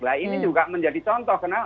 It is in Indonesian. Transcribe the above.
nah ini juga menjadi contoh kenapa